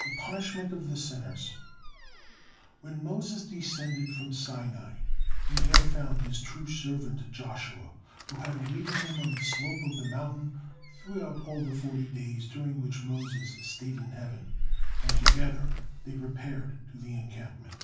THE PUNISHMENT OF THE SINNERS When Moses descended from Sinai, he there found his true servant Joshua, who had awaited him on the slope of the mountain throughout all the forty days during which Moses stayed in heaven, and together they repaired to the encampment.